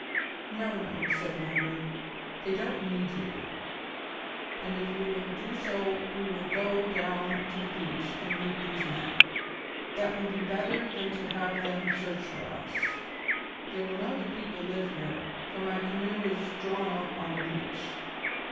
"No, no," said Mander, "they don't need you, and if you will do so we will go down to the beach and meet these men; that will be better than to have them search for us. They will know that people live here, for my canoe is drawn up on the beach."